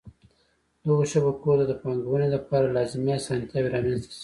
دغو شبکو ته د پانګوني دپاره لازمی اسانتیاوي رامنځته شي.